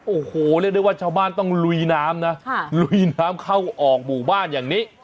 โอ้โหเรียกได้ว่าชาวบ้านต้องลุยน้ำนะลุยน้ำเข้าออกหมู่บ้านอย่างนี้